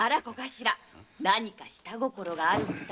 何か下心があるみたい。